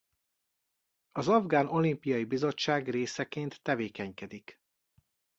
Az Afgán Olimpiai Bizottság részeként tevékenykedik.